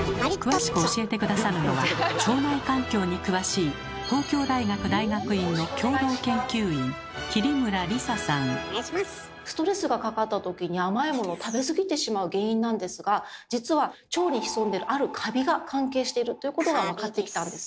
詳しく教えて下さるのは腸内環境に詳しいストレスがかかったときに甘いものを食べ過ぎてしまう原因なんですが実は腸に潜んでるあるカビが関係してるということが分かってきたんですね。